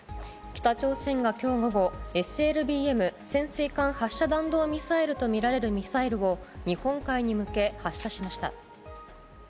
北朝鮮がきょう午後、ＳＬＢＭ・潜水艦発射弾道ミサイルと見られるミサイルを、日本海に向け発射しました。